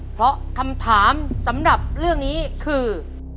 เพราะคำถามสำหรับเรื่องนี้คือ